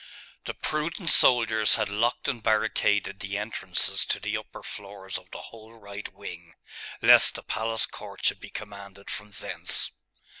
The prudent soldiers had locked and barricaded the entrances to the upper floors of the whole right wing, lest the palace court should be commanded from thence.